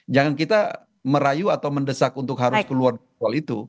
jangan kita merayu atau mendesak untuk harus keluar soal itu